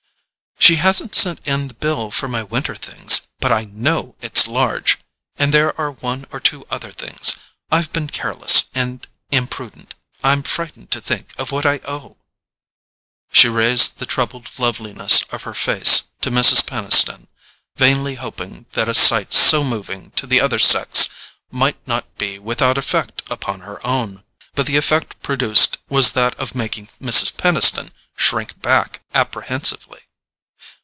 "She hasn't sent in the bill for my winter things, but I KNOW it's large; and there are one or two other things; I've been careless and imprudent—I'm frightened to think of what I owe——" She raised the troubled loveliness of her face to Mrs. Peniston, vainly hoping that a sight so moving to the other sex might not be without effect upon her own. But the effect produced was that of making Mrs. Peniston shrink back apprehensively.